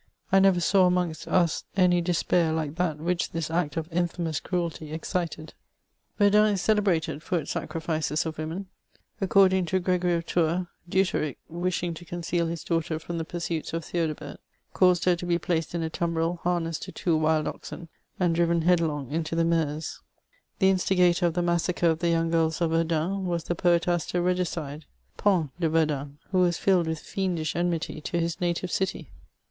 I never saw amongst us any despair like that which this act of infamous cruelty excited.'' Verdun is celebrated for its sacrifices of womrai. According to Gregory of Tours, Deuteric, wishing to c<moeal his daugh ter from the pursuits of Th^odebert, caused her to be placed in a tumbril harnessed to two wild oxen, and driven headlong into the Meuse. The instigator of the massacre of the yoimg girls of Verdun was the poetaster regicide — Pons de Verdun, who was filled with fiendish enmity to his native city.